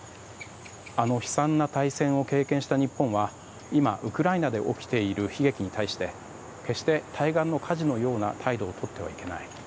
あの悲惨な大戦を経験した日本は今、ウクライナで起きている悲劇に対して決して対岸の火事のような態度をとってはいけない。